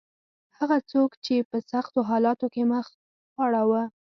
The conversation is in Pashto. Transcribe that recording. هغه څوک چې په سختو حالاتو کې مخ واړاوه.